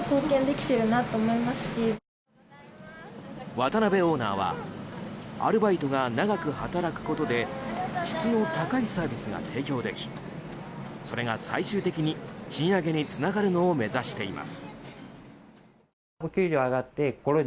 渡辺オーナーはアルバイトが長く働くことで質の高いサービスが提供できそれが最終的に賃上げにつながるのを目指しています。